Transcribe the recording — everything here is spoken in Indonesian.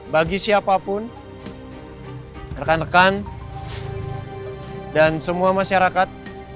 bagi siapapun rekan rekan dan semua masyarakat